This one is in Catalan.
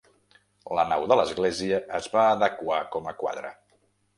La nau de l'església es va adequar com a quadra.